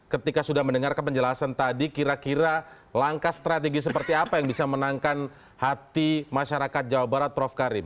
ketika sudah mendengarkan penjelasan tadi kira kira langkah strategi seperti apa yang bisa menangkan hati masyarakat jawa barat prof karim